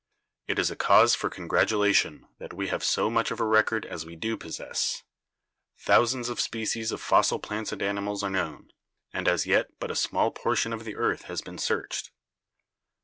It is a cause for con gratulation that we have so much of a record as we do possess. Thousands of species of fossil plants and animals are known, and as yet but a small portion of the earth has been searched."